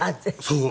そう。